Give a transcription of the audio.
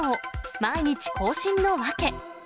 毎日更新の訳。